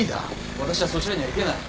私はそちらには行けない。